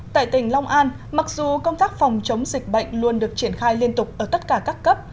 tại tỉnh long an mặc dù công tác phòng chống dịch bệnh luôn được triển khai liên tục ở tất cả các cấp